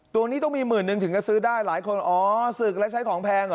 ตัวนี้ต้องมีหมื่นนึงถึงจะซื้อได้หลายคนอ๋อศึกแล้วใช้ของแพงเหรอ